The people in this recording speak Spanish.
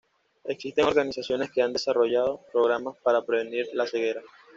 Existen organizaciones que han desarrollado programas para prevenir la ceguera.